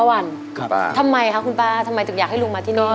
ป๊าวันทำไมค่ะคุณป๊าทำไมตึกอยากให้ลุงมาที่นี่